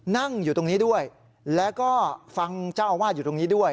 นั่งอยู่ตรงนี้ด้วยแล้วก็ฟังเจ้าอาวาสอยู่ตรงนี้ด้วย